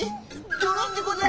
ドロンでござる。